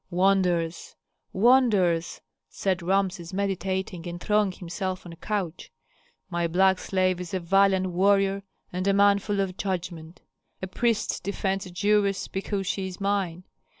"Wonders! wonders!" said Rameses, meditating, and throwing himself on a couch. "My black slave is a valiant warrior and a man full of judgment. A priest defends a Jewess, because she is mine.